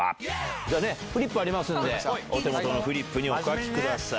じゃ、フリップありますんで、お手元のフリップにお書きください。